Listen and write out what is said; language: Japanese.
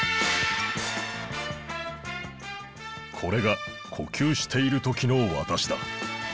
これが呼吸しているときのわたしだ。